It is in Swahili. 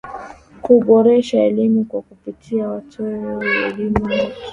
kuboresha elimu kwa kupitia kuwatoa walimu wote